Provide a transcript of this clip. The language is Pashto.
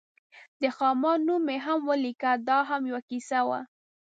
د خامار نوم مې هم ولیکه، دا هم یوه کیسه وه.